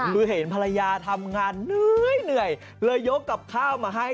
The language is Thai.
คือเห็นภรรยาทำงานเหนื่อยเลยยกกับข้าวมาให้